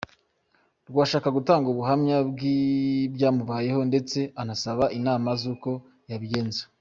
rw ashaka gutanga ubuhamya bw’ibyamubayeho ndetse anasaba inama z’uko yabigenza.